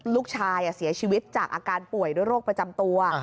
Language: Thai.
ลูกชายเสียชีวิตจากอาการป่วยด้วยโรคประจำตัว